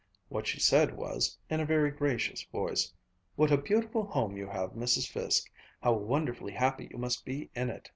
What she said was, in a very gracious voice: "What a beautiful home you have, Mrs. Fiske! How wonderfully happy you must be in it."